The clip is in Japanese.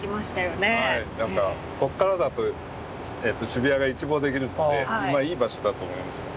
はいなんかこっからだと渋谷が一望できるのでまあいい場所だと思いますね。